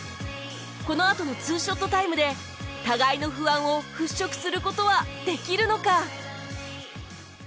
このあとの２ショットタイムで互いの不安を払拭する事はできるのか？